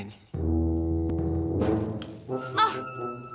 nanti aku mau ke rumah